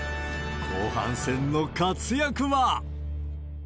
後半戦の活躍は。